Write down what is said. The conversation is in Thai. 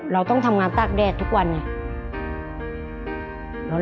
เราต้องทำงานตากแดดทุกวันไง